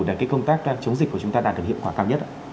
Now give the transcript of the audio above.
để cái công tác chống dịch của chúng ta đạt được hiệu quả cao nhất ạ